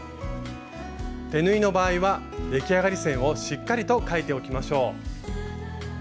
手縫いの場合は出来上がり線をしっかりと書いておきましょう。